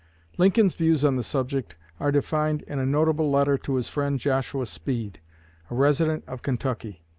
Lincoln's views on the subject are defined in a notable letter to his friend Joshua Speed, a resident of Kentucky.